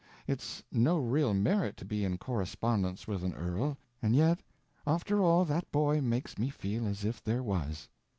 It's no real merit to be in correspondence with an earl, and yet after all, that boy makes me feel as if there was."